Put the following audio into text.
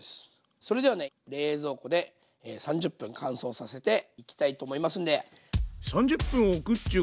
それではね冷蔵庫で３０分乾燥させていきたいと思いますんで。